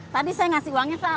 tadi saya ngasih uangnya pak